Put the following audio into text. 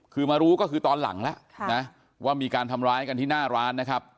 คือมารู้ก็คือตอนหลังแล้วนะว่ามีการทำร้ายกันที่หน้าร้านนะครับ